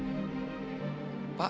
jangan bangun dulu pak